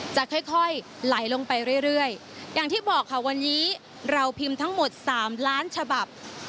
จะค่อยไหลลงไปเรื่อยอย่างที่บอกค่ะวันนี้เราพิมพ์ทั้งหมด๓ล้านฉบับ